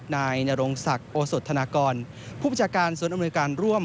นายนรงศักดิ์โอสธนากรผู้ประชาการศูนย์อำนวยการร่วม